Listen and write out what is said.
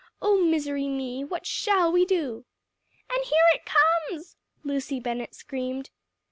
Oh misery me! what shall we do?" "And here it comes!" Lucy Bennett screamed.